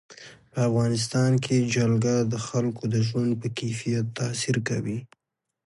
په افغانستان کې جلګه د خلکو د ژوند په کیفیت تاثیر کوي.